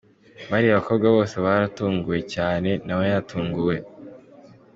Bariya bakobwa bose baratunguwe cyane, na we yaratunguwe.